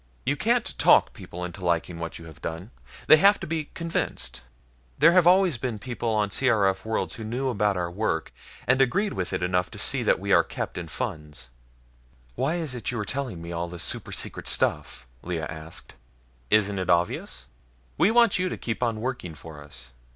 You can't talk people into liking what you have done. They have to be convinced. There have always been people on C.R.F. worlds who knew about our work, and agreed with it enough to see that we are kept in funds." "Why are you telling me all this super secret stuff," Lea asked. "Isn't that obvious? We want you to keep on working for us.